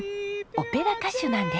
オペラ歌手なんです。